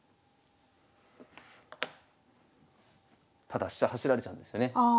ただ飛車走られちゃうんですよね。